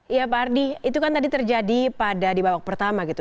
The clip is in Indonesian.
iya pak ardi itu kan tadi terjadi pada di babak pertama gitu